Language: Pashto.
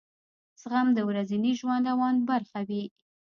زغم د ورځني ژوند او اند برخه وي.